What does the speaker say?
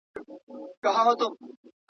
که وخت وي، لیکل کوم؟!